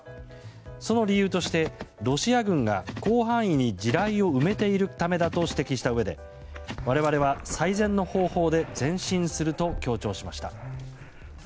その理由としてロシア軍が広範囲に地雷を埋めているためだと指摘したうえで我々は最善の方法で前進すると強調しました。